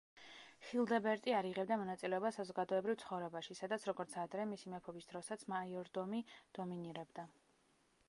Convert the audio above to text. ხილდებერტი არ იღებდა მონაწილეობას საზოგადოებრივ ცხოვრებაში, სადაც, როგორც ადრე, მისი მეფობის დროსაც, მაიორდომი დომინირებდა.